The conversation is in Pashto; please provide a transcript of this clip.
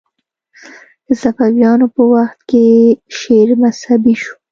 د صفویانو په وخت کې شعر مذهبي شو